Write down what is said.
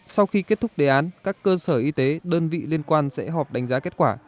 sau khi kết thúc đề án các cơ sở y tế đơn vị liên quan sẽ họp đánh giá kết quả